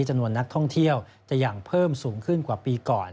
จำนวนนักท่องเที่ยวจะอย่างเพิ่มสูงขึ้นกว่าปีก่อน